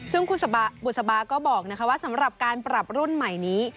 ซึ่งคุณบุษบาก็บอกว่าสำหรับการปรับรุ่นใหม่นี้